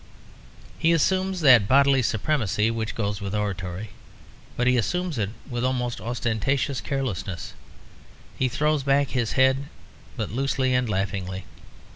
He assumes that bodily supremacy which goes with oratory, but he assumes it with almost ostentatious carelessness; he throws back the head, but loosely and laughingly.